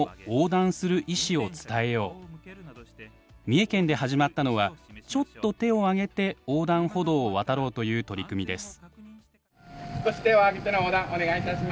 三重県で始まったのはちょっと手を上げて横断歩道を渡ろうという取り組みです。